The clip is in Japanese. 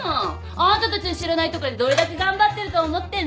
あなたたちの知らないところでどれだけ頑張ってると思ってんの。